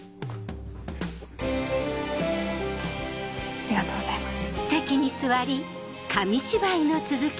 ありがとうございます。